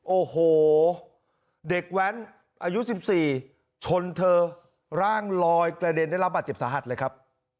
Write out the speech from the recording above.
โอ้โหเด็กแว้นอายุ๑๔ชนเธอร่างลอยกระเด็นได้รับบาดเจ็บสาหัสเลยครับ